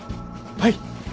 はい。